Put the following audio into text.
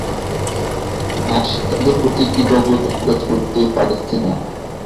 ভাষায় তাঁদের প্রতি কৃতজ্ঞতা প্রকাশ করতে পারছি না।